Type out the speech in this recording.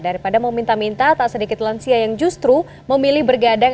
daripada meminta minta tak sedikit lansia yang justru memilih bergadang